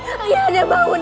ayah anda bangun